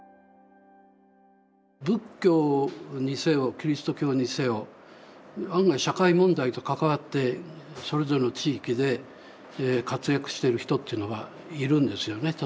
仏教にせよキリスト教にせよ案外社会問題と関わってそれぞれの地域で活躍してる人っていうのがいるんですよね